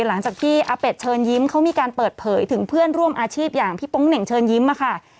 หลังจากที่อาเป็ดเชิญยิ้มเขามีการเปิดเผยถึงเพื่อนร่วมอาชีพอย่างพี่โป๊งเหน่งเชิญยิ้มค่ะ